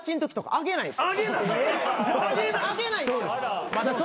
あげないんですよ。